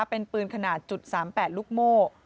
เป็นปืนขนาด๓๘ลูกโม่